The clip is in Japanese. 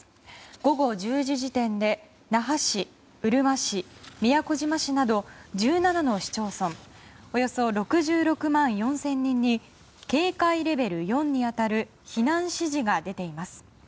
午後１０時時点で那覇市、うるま市、宮古島市など１７の市町村およそ６６万４０００人に警戒レベル４に当たる避難指示が出ています。